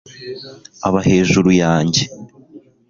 aba hejuru yanjye